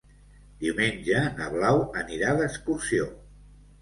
Diumenge na Blau anirà d'excursió.